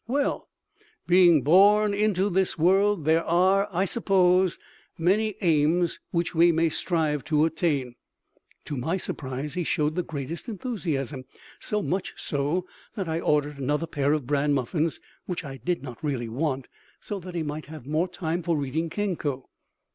Well! Being born into this world there are, I suppose, many aims which we may strive to attain. To my surprise he showed the greatest enthusiasm. So much so that I ordered another pair of bran muffins, which I did not really want, so that he might have more time for reading Kenko.